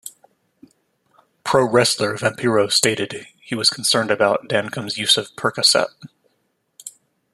Pro wrestler Vampiro stated he was concerned about Duncum's use of percocet.